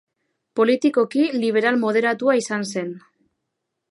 Politikoki liberal moderatua izan zen.